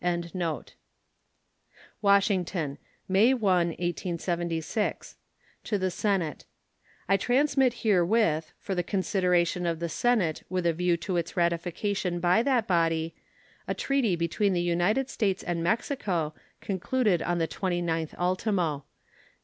] WASHINGTON, May 1, 1876. To the Senate: I transmit herewith, for the consideration of the Senate with a view to its ratification by that body, a treaty between the United States and Mexico, concluded on the 29th ultimo.